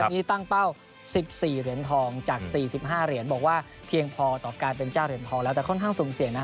อันนี้ตั้งเป้าสิบสี่เหรียญทองจากสี่สิบห้าเหรียญบอกว่าเพียงพอต่อการเป็นจ้าเหรียญทองแล้วแต่ค่อนข้างสูงเสียงนะครับ